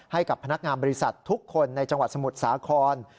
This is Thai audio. ให้กับพนักงานบริษัททุกคนในจังหวัดสมุทรสาคร